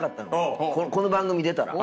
この番組出たら。